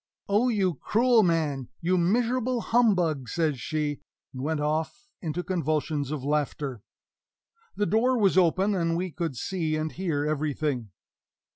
"Oh, you cruel man you miserable humbug!" says she; and went off into convulsions of laughter. The door was open, and we could see and hear everything.